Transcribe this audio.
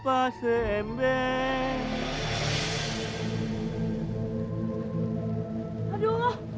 anak perempuan aku